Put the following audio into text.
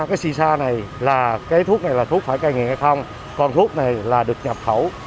cái shisha này là cái thuốc này là thuốc phải ca nghiện hay không còn thuốc này là được nhập khẩu